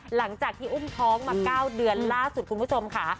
หลังจากที่อุ้มท้องมา๙เดือนล่าสุดคุณผู้ชมค่ะ